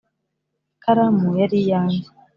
ikaramu yari iyanjye